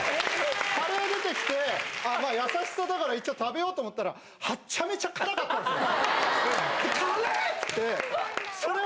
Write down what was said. カレー出てきて、優しさだから一応食べようと思ったら、はっちゃめちゃ辛かったんですよ。